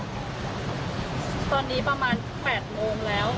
ตอนนี้ประมาณ๘โมงแล้ว